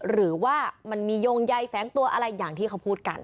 หรือว่ามันมีโยงใยแฝงตัวอะไรอย่างที่เขาพูดกัน